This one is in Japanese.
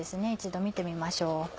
一度見てみましょう。